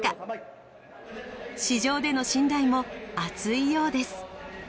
市場での信頼も厚いようです。